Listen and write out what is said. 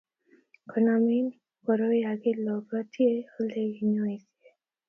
Ngonamin koroi akilobotyi Ole kinyoise,